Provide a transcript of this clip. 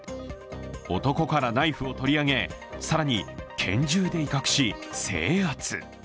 男からナイフを取り上げ、更に拳銃で威嚇して制圧。